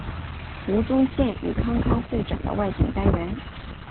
吴宗宪与康康互整的外景单元。